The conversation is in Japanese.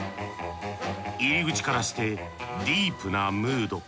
入り口からしてディープなムード。